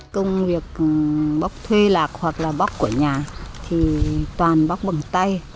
công việc bóc thuê lạc hoặc là bóc của nhà thì toàn bóc bằng tay